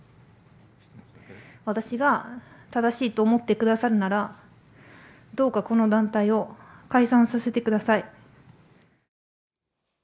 私が正しいと思ってくださるなら、どうかこの団体を解散させてください。